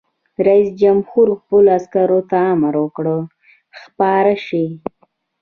رئیس جمهور خپلو عسکرو ته امر وکړ؛ خپاره شئ!